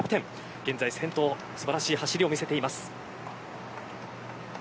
現在先頭、素晴らしい走りを見せています。